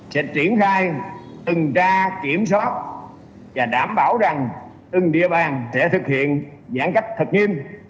sẽ triển khai từng tra kiểm soát và đảm bảo rằng từng địa bàn sẽ thực hiện giãn cách thật nghiêm